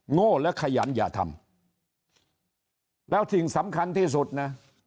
โง่และขยันอย่าทำแล้วสิ่งสำคัญที่สุดนะ